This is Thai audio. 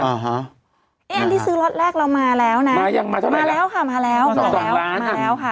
นี่อันที่ซื้อล็อตแรกเรามาแล้วนะมายังมาเท่าไหร่ละมาแล้วค่ะมาแล้วค่ะ